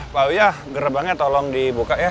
pak uyah gerbangnya tolong dibuka ya